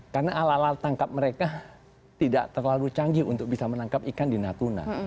karena ala ala tangkap mereka tidak terlalu canggih untuk bisa menangkap ikan di natuna